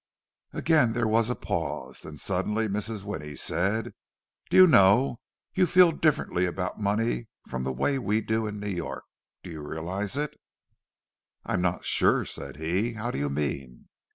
Again there was a pause; then suddenly Mrs. Winnie said: "Do you know, you feel differently about money from the way we do in New York. Do you realize it?" "I'm not sure," said he. "How do you mean?"